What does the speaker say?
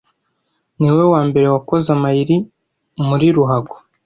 niwe wambere wakoze amayeri muri ruhago